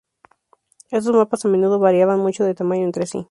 Estos mapas a menudo variaban mucho de tamaño entre sí.